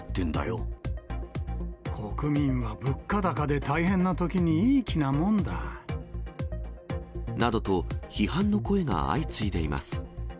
国民は物価高で大変なときになどと、批判の声が相次いでいます。